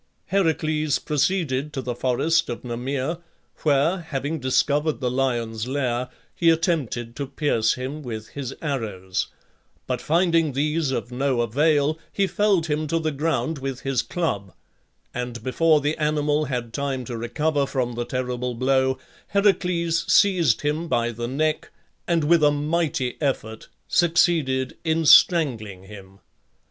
Heracles proceeded to the forest of Nemea, where, having discovered the lion's lair, he attempted to pierce him with his arrows; but finding these of no avail he felled him to the ground with his club, and before the animal had time to recover from the terrible blow, Heracles seized him by the neck and, with a mighty effort, succeeded in strangling him.